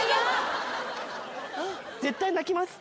絶対泣きます。